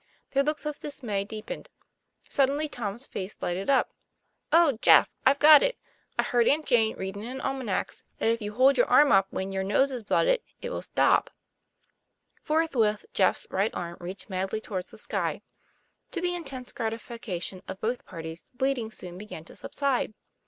Their looks of dismay deepened. Suddenly Tom's face lighted up. "Oh, Jeff! I've got it! I heard Aunt Jane read in an almanax that if you hold your arm up when your nose is blooded it will stop." Forthwith, Jeff's right arm reached madly toward the sky. To the intense gratification of both parties the bleeding soon began to subside.